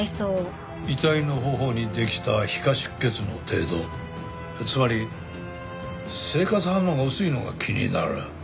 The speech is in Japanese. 遺体の頬にできた皮下出血の程度つまり生活反応が薄いのが気になる。